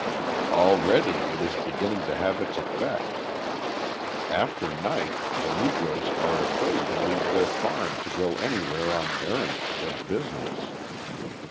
Already it is beginning to have its effect. After night the Negroes are afraid to leave their farm to go anywhere on errands of business.